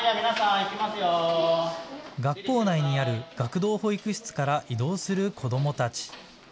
学校内にある学童保育室から移動する子どもたち。